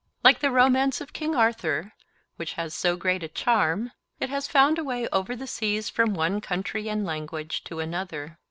Like the romance of King Arthur, which has had so great a charm, it has found a way over the seas from one country and language to another.